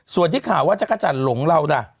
ส่วนที่ข่าวว่าจักรจันทร์หลงเราล่ะ